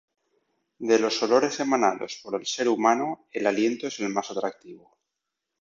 De los olores emanados por el ser humano, el aliento es el más atractivo.